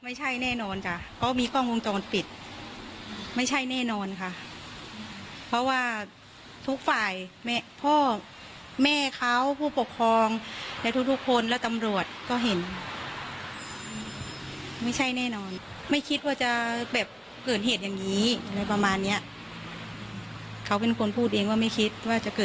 โอ้โหะไม่มีอะไร๒๐กว่าคนมันเป็นไปไม่ได้